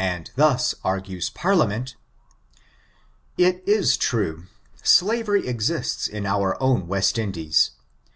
And thus argues Parliament: — ^It is true, slavery exists in our own West Indies.